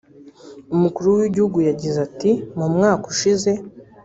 Umukuru w’Igihugu yagize ati “Mu mwaka ushize